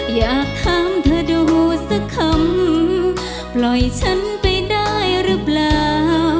อยากถามเธอดูสักคำปล่อยฉันไปได้หรือเปล่า